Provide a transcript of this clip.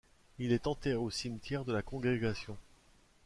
Il est enterré au cimetière de la congrégation.